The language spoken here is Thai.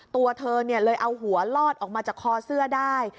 ตัวเธอเลยเอาหัวลอดออกมาจากคอเสื้อได้